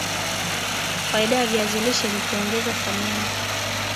Faida ya viazi lishe ni kuongeza thamani